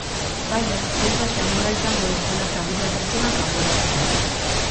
Baina, ez da samurra izango dozenaka mila pertsona kanporatzea.